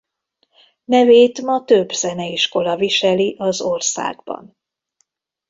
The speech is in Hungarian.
Nevét ma több zeneiskola viseli az országban.